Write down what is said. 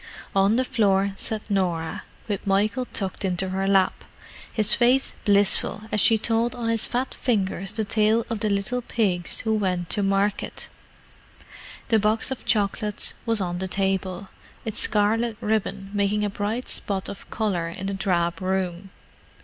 On the floor sat Norah, with Michael tucked into her lap, his face blissful as she told on his fat fingers the tale of the little pigs who went to market. The box of chocolates was on the table, its scarlet ribbon making a bright spot of colour in the drab room.